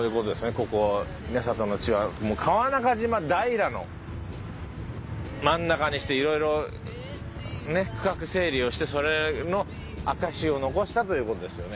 ここ稲里の地は川中島平の真ん中にして色々ね区画整理をしてそれの証しを残したという事ですよね。